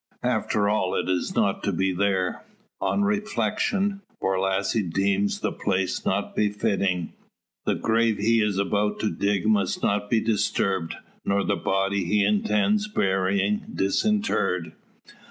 After all it is not to be there. On reflection, Borlasse deems the place not befitting. The grave he is about to dig must not be disturbed, nor the body he intends burying disinterred.